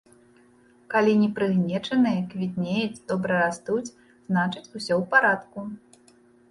Калі не прыгнечаныя, квітнеюць, добра растуць, значыць, усё ў парадку.